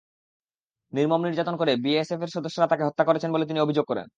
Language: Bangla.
নির্মম নির্যাতন করে বিএএফের সদস্যরা তাঁকে হত্যা করেছেন বলে তিনি অভিযোগ করেন।